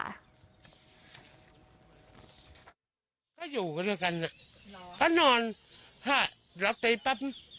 ยังอยู่กันเถอะแค่นอนห้ะเรามาตีปั๊บ